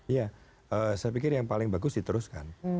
iya saya pikir yang paling bagus diteruskan